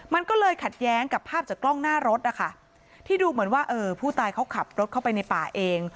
มันก็เลยขัดแย้งกับภาพจากกล้องหน้ารถนะคะที่ดูเหมือนว่าเออผู้ตายเขาขับรถเข้าไปในป่าเอง